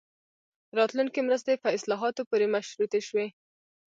راتلونکې مرستې په اصلاحاتو پورې مشروطې شوې.